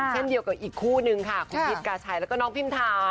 เช่นเดียวกับอีกคู่นึงค่ะคุณพิษกาชัยแล้วก็น้องพิมทา